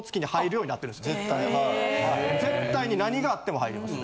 絶対に何があっても入ります。